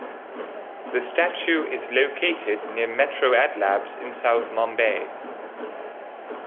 The statue is located near Metro Adlabs in South Mumbai.